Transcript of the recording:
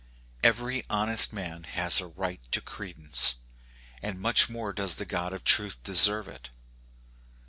Every honest man has a right to credence, and much more does the God of truth deserve it.